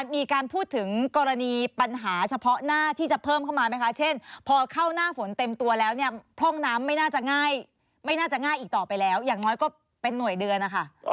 มีการพูดถึงกรณีปัญหาเฉพาะหน้าที่จะเพิ่มเข้ามาไหมคะเช่นพอเข้าหน้าฝนเต็มตัวแล้วเนี่ยพร่องน้ำไม่น่าจะง่ายไม่น่าจะง่ายอีกต่อไปแล้วอย่างน้อยก็เป็นหน่วยเดือนนะคะ